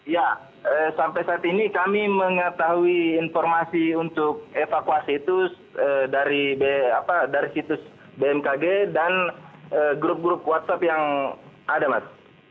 ya sampai saat ini kami mengetahui informasi untuk evakuasi itu dari situs bmkg dan grup grup whatsapp yang ada mas